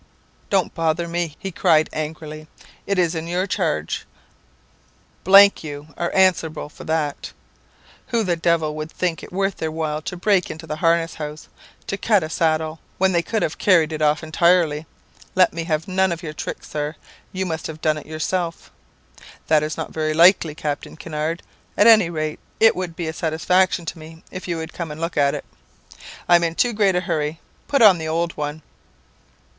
"'Don't bother me, he cried angrily; 'it is in your charge, you are answerable for that. Who the devil would think it worth their while to break into the harness house to cut a saddle, when they could have carried it off entirely? Let me have none of your tricks, Sir! You must have done it yourself!' "'That is not very likely, Captain Kinnaird. At any rate, it would be a satisfaction to me if you would come and look at it.' "'I'm in too great a hurry. Put on the old one.'